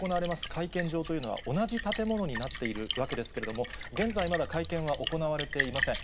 会見場というのは、同じ建物になっているわけですけれども、現在、まだ会見は行われていません。